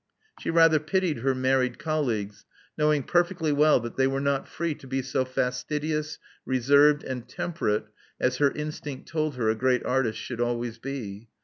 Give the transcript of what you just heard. She rather pitied her married colleagues, knowing perfectly well that they were not free to be so fastidious, reserved, and tem perate as her instinct told her a great artist should always be.